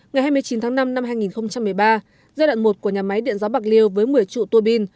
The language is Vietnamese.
ngày hai mươi chín tháng năm năm hai nghìn một mươi ba giai đoạn một của nhà máy điện gió bạc liêu với một mươi trụ tùa pin